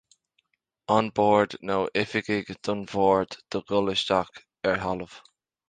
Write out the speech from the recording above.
An Bord nó oifigigh don Bhord do dhul isteach ar thalamh.